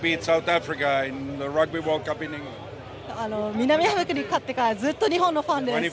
南アフリカに勝ってからずっと日本のファンです。